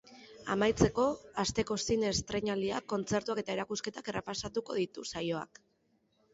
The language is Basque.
Amaitzeko, asteko zine estreinaldiak, kontzertuak eta erakusketak errepasatuko ditu saioak.